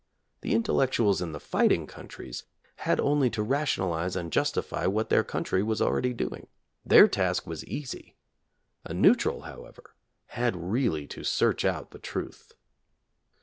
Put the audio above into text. The intellectuals in the fighting countries had only •to rationalize and justify what their country was already doing. Their task was easy. A neutral, however, had really to search out the truth.